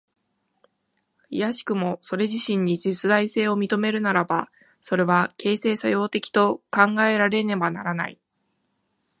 いやしくもそれ自身に実在性を認めるならば、それは形成作用的と考えられねばならない。